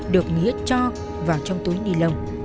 được nghĩa cho vào trong túi ni lông